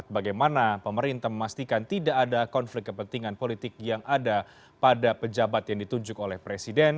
bagaimana pemerintah memastikan tidak ada konflik kepentingan politik yang ada pada pejabat yang ditunjuk oleh presiden